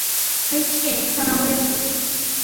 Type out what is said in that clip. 愛知県北名古屋市